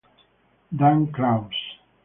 Dan Kraus